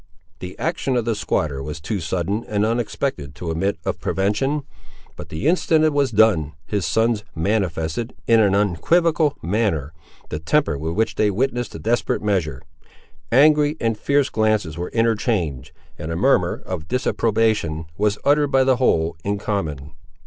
The action of the squatter was too sudden and unexpected to admit of prevention, but the instant it was done, his sons manifested, in an unequivocal manner, the temper with which they witnessed the desperate measure. Angry and fierce glances were interchanged, and a murmur of disapprobation was uttered by the whole, in common.